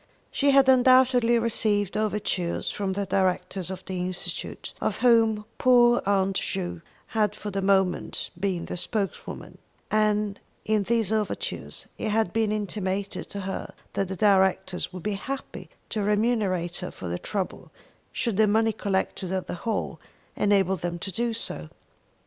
She had undoubtedly received overtures from the directors of the Institute of whom poor Aunt Ju had for the moment been the spokeswoman, and in these overtures it had been intimated to her that the directors would be happy to remunerate her for her trouble should the money collected at the hall enable them to do so.